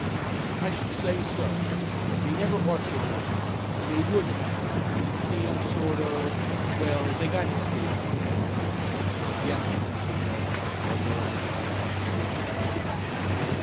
"I should say so! They never ought to have won it, and they wouldn't have, only Sam sort of well they got his 'goat' I guess." "Yes," assented Joe, while Darrell went on fumbling with the wrench and nut.